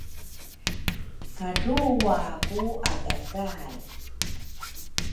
kadrwa ku aga kay